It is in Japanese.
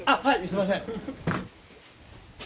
すいません